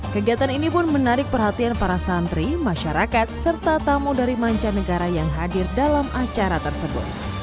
kegiatan ini pun menarik perhatian para santri masyarakat serta tamu dari mancanegara yang hadir dalam acara tersebut